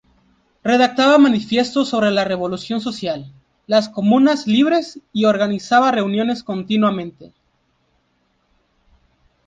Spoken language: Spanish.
Redactaba manifiestos sobre la revolución social, las comunas libres y organizaba reuniones continuamente.